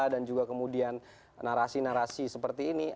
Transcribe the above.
dan juga kemudian narasi narasi seperti ini